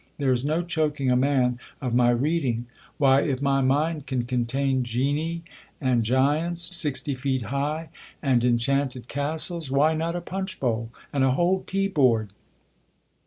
There is no choaking a man of my reading. Why, if my mind can contain Genii and Giants. 72 THE COLUMBIAN ORATOR. Giants, sixty feet high, and enchanted castles, wky not a punch bowl, and a whole tea board